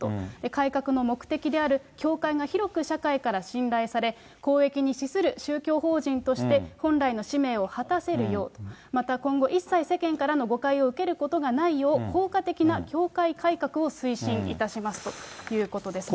改革の目的である教会が広く社会から信頼され、公益に資する宗教法人として本来の使命を果たせるよう、また今後一切世間からの誤解を受けることがないよう、効果的な教会改革を推進いたしますということです。